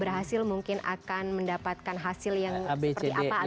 berhasil mungkin akan mendapatkan hasil yang seperti apa